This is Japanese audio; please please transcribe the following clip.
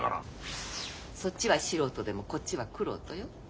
そっちは素人でもこっちは玄人よ。